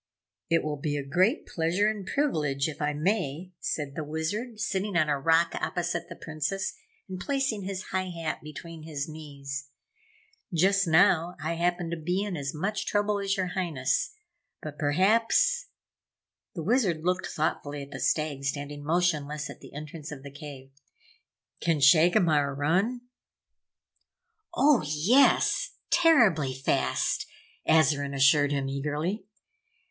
"It will be a great pleasure and privilege, if I may," said the Wizard, sitting on a rock opposite the Princess and placing his high hat between his knees. "Just now, I happen to be in as much trouble as your Highness. But perhaps " the Wizard looked thoughtfully at the Stag standing motionless at the entrance of the cave "can Shagomar run?" "Oh, yes! Terribly fast!" Azarine assured him, eagerly.